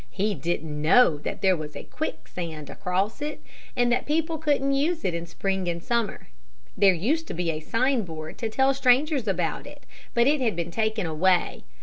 He didn't know that there was a quicksand across it, and that people couldn't use it in spring and summer. There used to be a sign board to tell strangers about it, but it had been taken away.